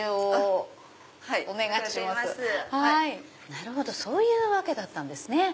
なるほどそういう訳だったんですね。